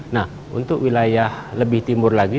nah untuk wilayah lebih timur lagi